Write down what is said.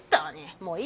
もういい！